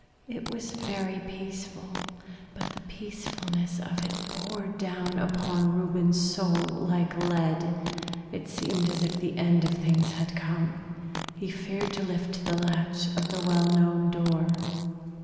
It was very peaceful; but the peacefulness of it bore down upon Reuben's soul like lead. It seemed as if the end of things had come. He feared to lift the latch of the well known door.